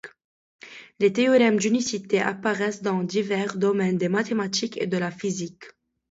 Les théorèmes d'unicité apparaissent dans divers domaines des mathématiques et de la physique.